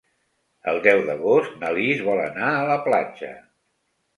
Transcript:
El deu d'agost na Lis vol anar a la platja.